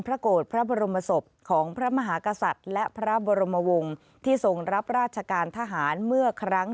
โกรธพระบรมศพของพระมหากษัตริย์และพระบรมวงศ์ที่ทรงรับราชการทหารเมื่อครั้ง